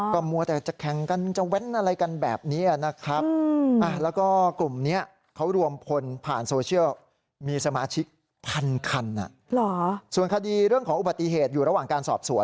ก็มัวแต่จะแข่งกันจะแว้นอะไรกันแบบนี้นะครับ